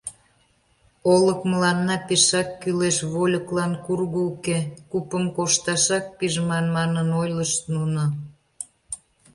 «Олык мыланна пешак кӱлеш, вольыклан курго уке, купым кошташак пижман», — манын ойлышт нуно.